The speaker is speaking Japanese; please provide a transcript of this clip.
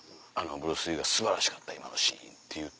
ブルース・リーが「素晴らしかった今のシーン」って言うて。